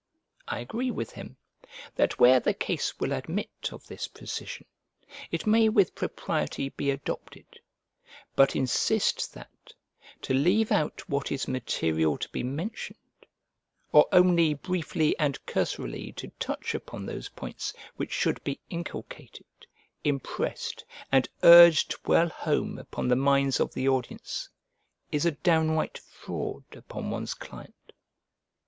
I agree with him, that where the case will admit of this precision, it may with propriety be adopted; but insist that, to leave out what is material to be mentioned, or only briefly and cursorily to touch upon those points which should be inculcated, impressed, and urged well home upon the minds of the audience, is a downright fraud upon one's client.